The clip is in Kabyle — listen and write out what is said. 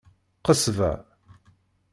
Qesba.